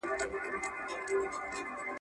نوی منبر به جوړوو زاړه یادونه سوځو.